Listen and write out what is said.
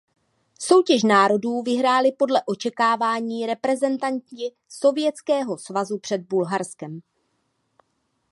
Soutěž národů vyhráli podle očekávání reprezentanti Sovětského svazu před Bulharskem.